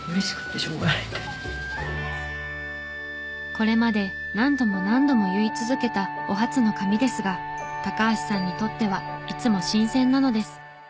これまで何度も何度も結い続けたお初の髪ですが高橋さんにとってはいつも新鮮なのです。